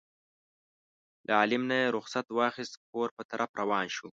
له عالم نه یې رخصت واخیست کور په طرف روان شو.